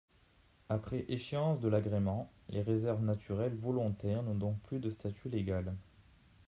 Après échéance de l'agrément, les réserves naturelles volontaires n'ont donc plus de statut légal.